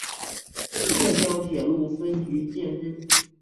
撤销铁路分局建制。